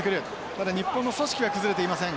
まだ日本の組織は崩れていません。